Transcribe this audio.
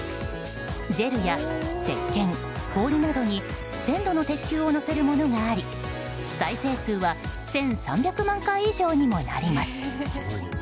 ジェルやせっけん、氷などに１０００度の鉄球を乗せるものがあり、再生数は１３００万回以上にもなります。